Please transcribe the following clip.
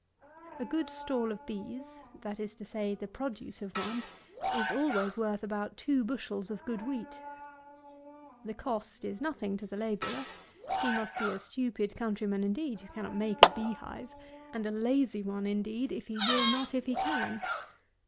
165. A good stall of bees, that is to say, the produce of one, is always worth about two bushels of good wheat. The cost is nothing to the labourer. He must be a stupid countryman indeed who cannot make a bee hive; and a lazy one indeed if he will not, if he can.